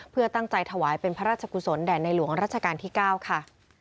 เพื่อตั้งใจถวายเป็นพระราชกุศลแด่ในหลวงรัชกาลที่๙ค่ะ